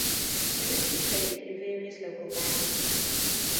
Vannucci played in various local bands.